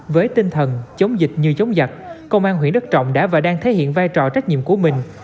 với tinh thần chống dịch như chống giặc công an huyện đức trọng đã và đang thể hiện vai trò trách nhiệm của mình